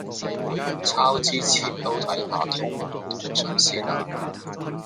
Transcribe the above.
抄之前都睇吓通唔通順先呀